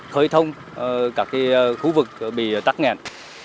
khởi thông các khu vực bị tắt nghẹn